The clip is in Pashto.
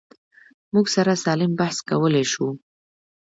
موږ سره سالم بحث کولی شو.